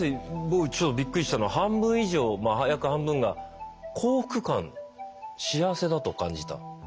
僕ちょっとビックリしたのは半分以上約半分が幸福感幸せだと感じた。